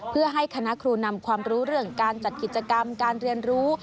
เพื่อให้คณะครูนำความรู้เรื่องการจัดกิจกรรมการเรียนรู้